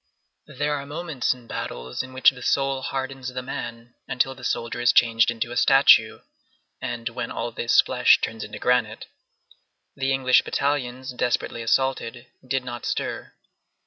There are moments in battles in which the soul hardens the man until the soldier is changed into a statue, and when all this flesh turns into granite. The English battalions, desperately assaulted, did not stir.